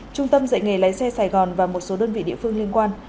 trung tâm dạy nghề lái xe sài gòn và một số đơn vị địa phương liên quan